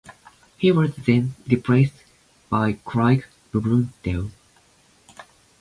He was then replaced by Craig Blundell.